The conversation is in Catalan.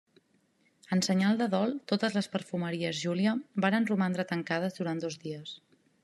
En senyal de dol totes les perfumeries Júlia varen romandre tancades durant dos dies.